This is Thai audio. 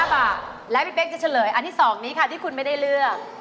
๕บาทและพี่เป๊กจะเฉลยอันที่๒นี้ค่ะที่คุณไม่ได้เลือก